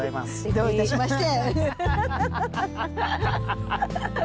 どういたしまして。